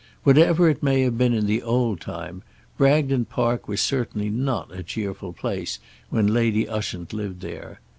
Whatever it may have been in the old time, Bragton Park was certainly not a cheerful place when Lady Ushant lived there.